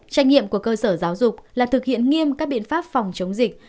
trách nhiệm của cơ sở giáo dục là thực hiện nghiêm các biện pháp phòng chống dịch